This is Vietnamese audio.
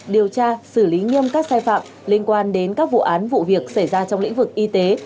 điều tra xử lý nghiêm các sai phạm liên quan đến các vụ án vụ việc xảy ra trong lĩnh vực y tế